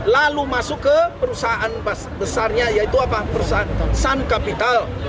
lalu masuk ke perusahaan besarnya yaitu perusahaan sun capital